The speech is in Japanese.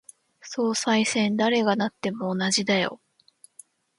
総裁選、誰がなっても同じだよ。